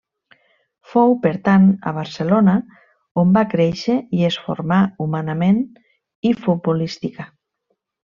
Fou, per tant, a Barcelona on va créixer i es formà, humanament i futbolística.